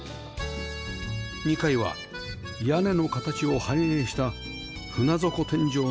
２階は屋根の形を反映した船底天井の ＬＤＫ